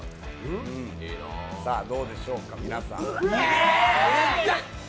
さあ、どうでしょうか、皆さん。